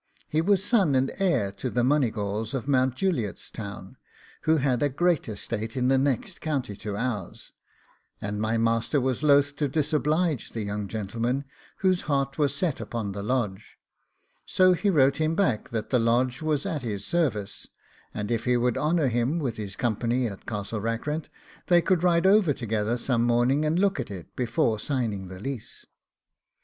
He was son and heir to the Moneygawls of Mount Juliet's Town, who had a great estate in the next county to ours; and my master was loth to disoblige the young gentleman, whose heart was set upon the Lodge; so he wrote him back that the Lodge was at his service, and if he would honour him with his company at Castle Rackrent, they could ride over together some morning and look at it before signing the lease.